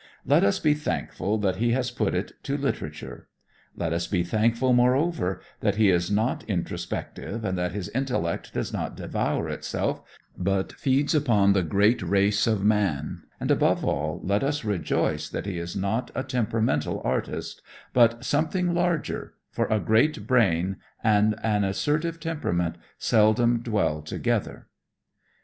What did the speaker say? Let us be thankful that he has put it to literature. Let us be thankful, moreover, that he is not introspective and that his intellect does not devour itself, but feeds upon the great race of man, and, above all, let us rejoice that he is not a "temperamental" artist, but something larger, for a great brain and an assertive temperament seldom dwell together.